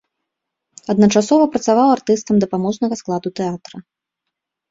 Адначасова працаваў артыстам дапаможнага складу тэатра.